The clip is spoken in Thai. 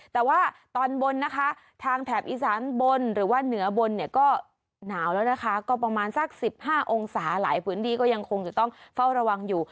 แต่ว่าตอนบนนะคะทางแถบอีสานบนหรือว่าเหนือบนเนี่ยก็หนาวแล้วนะคะก็ประมาณสัก๑๕องศาหลายพื้นที่ก็ยังคงจะต้องเฝ้าระวังอยู่